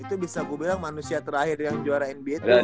itu bisa gue bilang manusia terakhir yang juara nba tuh